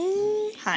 はい。